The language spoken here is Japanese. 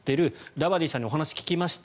ダバディさんにお話を聞きました。